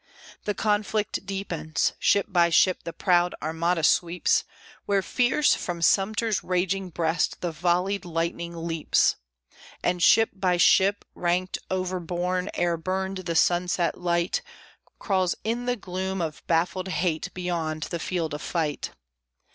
The conflict deepens! ship by ship the proud Armada sweeps, Where fierce from Sumter's raging breast the volleyed lightning leaps; And ship by ship, raked, overborne, ere burned the sunset light, Crawls in the gloom of baffled hate beyond the field of fight!